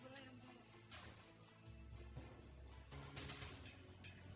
boleh yang boleh